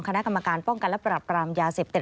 คณะกรรมการป้องกันและปรับปรามยาเสพติด